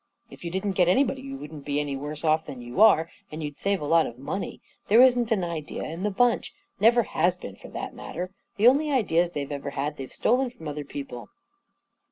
"" If you didn't get anybody, you wouldn't be any worse off than you are, and you'd save a lot of money. There isn't an idea in the bunch — never has been, for that matter. The only ideas they've ever had, they've stolen from other people